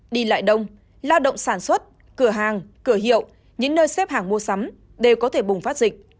đi lại đông lao động sản xuất cửa hàng cửa hiệu những nơi xếp hàng mua sắm đều có thể bùng phát dịch